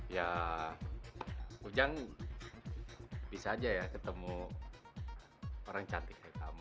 ya ujang bisa aja ya ketemu orang cantik